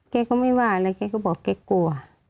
แกก็ไม่ว่าอะไรแกก็บอกแกกลัว